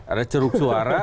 ada ceruk suara